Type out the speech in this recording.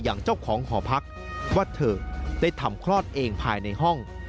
อย่างเจ้าของหอพักว่าเธอได้ทำคลอดเองภายในห้อง